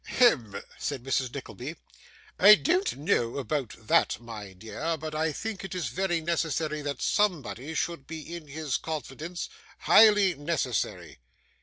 'Hem!' said Mrs. Nickleby. 'I don't know about that, my dear, but I think it is very necessary that somebody should be in his confidence; highly necessary.